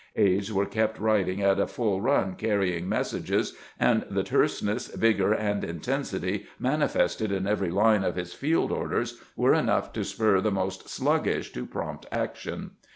Aides were kept riding at a full run carrying messages, and 106 CAMPAIGNING WITH GKANT the terseness, vigor, and intensity manifested in every line of Ms field orders were enough to spur the most sluggish to prompt action.